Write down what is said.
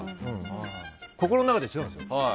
心の中では違うんですよ。